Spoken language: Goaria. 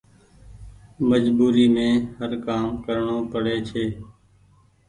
مجبوري مين هر ڪآم ڪرڻو پڙي ڇي۔